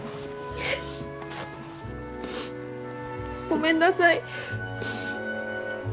ごめんなさい。